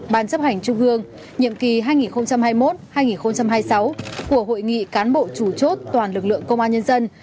ban chấp hành trung ương nhiệm kỳ hai nghìn hai mươi một hai nghìn hai mươi sáu của hội nghị cán bộ chủ chốt toàn lực lượng công an nhân dân